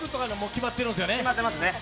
決まってますね。